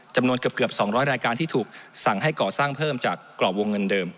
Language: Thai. จำนวนเกือบ๒๐๐รายการที่ถูกสั่งให้ก่อสร้างเพิ่มจากกรอบวงเงินเดิม